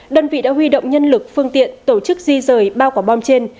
đơn vị đã huy động nhân lực phương tiện tổ chức di rời ba quả bom trên